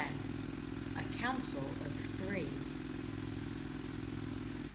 A COUNCIL OF THREE.